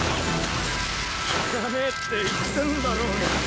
効かねえって言ってんだろうが。